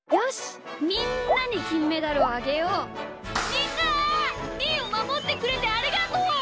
みんなみーをまもってくれてありがとう！